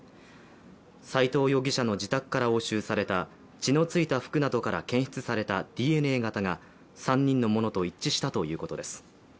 斉藤容疑者の自宅から押収された、血の付いた洋服などから検出されたＤＮＡ型が３人のものと一致したということです。